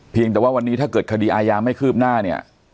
เพียงแต่ว่าวันนี้ถ้าเกิดคดีอาญาไม่ผม่นี่